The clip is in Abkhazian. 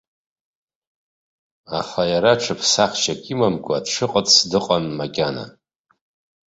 Аха иара ҽыԥсахшьак имамкәа дшыҟац дыҟан макьана.